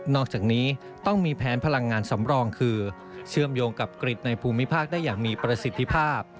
อกจากนี้ต้องมีแผนพลังงานสำรองคือเชื่อมโยงกับกริจในภูมิภาคได้อย่างมีประสิทธิภาพ